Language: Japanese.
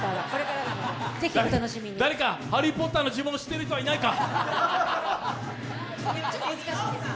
誰か、ハリー・ポッターの呪文を知ってる人はいないか。